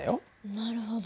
なるほど。